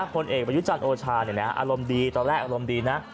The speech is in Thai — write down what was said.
คนเอกมายุจันโอชาเนี้ยน่ะอารมณ์ดีตอนแรกอารมณ์ดีน่ะ